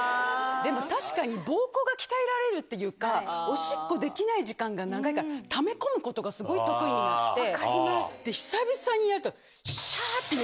でも確かに、膀胱が鍛えられるっていうか、おしっこできない時間が長いから、ため込むことがすごい得意になって。